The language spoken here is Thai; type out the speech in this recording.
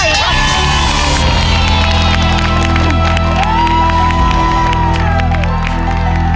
ได้ครับ